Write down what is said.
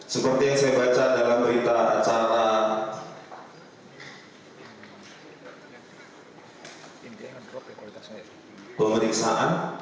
seperti yang saya baca dalam berita acara pemeriksaan